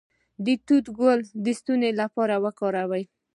د توت ګل د ستوني لپاره وکاروئ